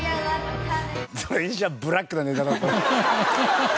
それにしちゃブラックなネタだったな。